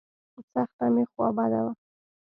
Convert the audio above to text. سخته مې خوا بده وه.